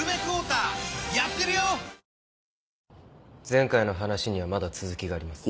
前回の話にはまだ続きがあります。